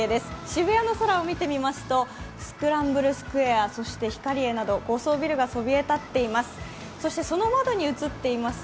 渋谷の空を見てみますと、スクランブルスクエア、そしてヒカリエなど高層ビルがそびえ立っています。